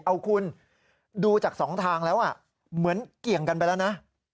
เอาคุณดูจากสองทางแล้วเหมือนเกี่ยงกันไปแล้วนะ